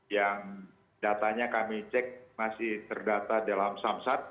yang datanya kami cek masih terdata dalam samsat